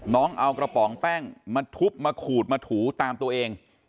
น้องเอากระป๋องแป้งมาทุบมาขูดมาถูตามตัวเอง